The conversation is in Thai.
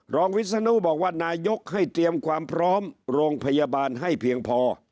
วิศนุบอกว่านายกให้เตรียมความพร้อมโรงพยาบาลให้เพียงพอ